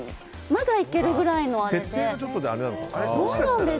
まだいけるぐらいのあれで。